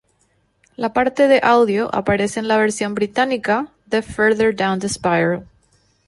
La parte de audio aparece en la versión británica de Further Down the Spiral.